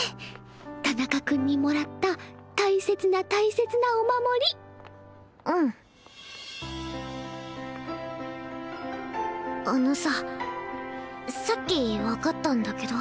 田中君にもらった大切な大切なお守りうんあのささっき分かったんだけど